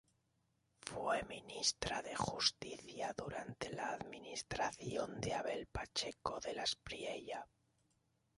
Fue ministra de Justicia durante la administración de Abel Pacheco de la Espriella.